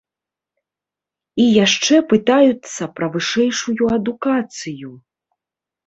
І яшчэ пытаюцца пра вышэйшую адукацыю!